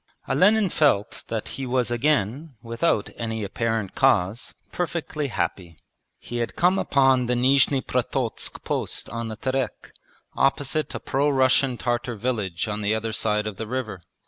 Olenin felt that he was again, without any apparent cause, perfectly happy. He had come upon the Nizhni Prototsk post on the Terek, opposite a pro Russian Tartar village on the other side of the river.